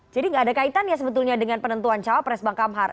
jadi nggak ada kaitan ya sebetulnya dengan penentuan cawapres bang amhar